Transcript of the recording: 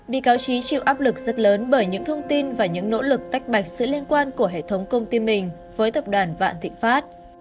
bị cáo trí chịu áp lực rất lớn bởi những thông tin và những nỗ lực tách bạch sự liên quan của hệ thống công ty mình với tập đoàn vạn thịnh pháp